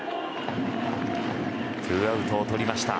ツーアウトをとりました。